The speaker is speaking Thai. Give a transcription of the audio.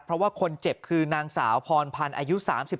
เพราะว่าคนเจ็บคือนางสาวพรพันธ์อายุ๓๓